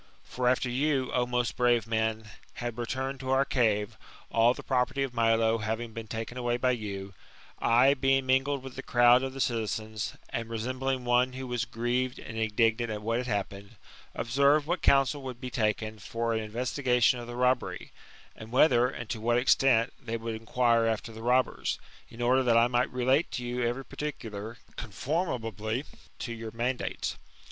For after you, O most brave men, had recumed to our cave, all the property of Milo having been taken away by you, I being mingled with the crowd of the citizens, and resembling one who was grieved and indignant at what had happened, observed what counsul would be taken for an investigation of the robbery, and whether, and to what extent, they would inquire after the robbers: in order that I might relate to you every particular, conformably to your mandates.